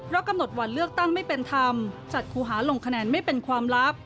เพราะกำหนดวันเลือกตั้งไม่เป็นธรรมจัดคู่หาลงคะแนนไม่เป็นความลับ